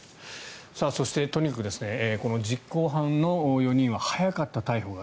そしてとにかく実行犯の４人は早かった、逮捕が。